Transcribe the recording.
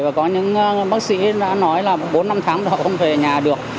và có những bác sĩ đã nói là bốn năm tháng thì họ không về nhà được